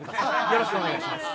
よろしくお願いします。